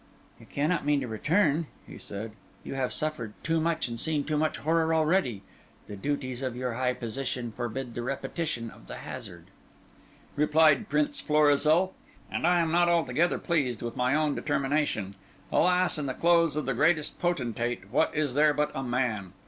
"You cannot mean to return," he said. "You have suffered too much and seen too much horror already. The duties of your high position forbid the repetition of the hazard." "There is much in what you say," replied Prince Florizel, "and I am not altogether pleased with my own determination. Alas! in the clothes of the greatest potentate, what is there but a man?